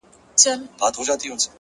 هره شېبه د مثبت بدلون امکان لري,